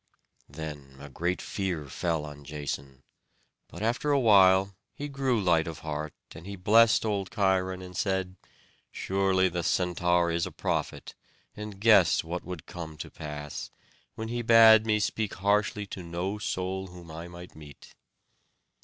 Then a great fear fell on Jason; but after a while he grew light of heart; and he blessed old Cheiron, and said: "Surely the Centaur is a prophet, and guessed what would come to pass, when he bade me speak harshly to no soul whom I might meet."